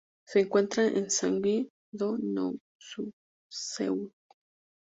Se encuentra en Sanggye-dong, Nowon-gu, Seúl.